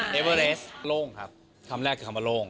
ล้มลงครับคำแรกคือล้มลง